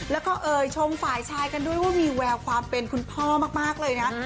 แล้วก็เอ่ยชมฝ่ายชายกันด้วยว่ามีแววความเป็นคุณพ่อมากเลยนะ